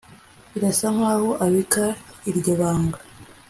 Birasa nkaho abika iryo banga